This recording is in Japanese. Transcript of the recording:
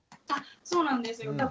あそうなんですよ。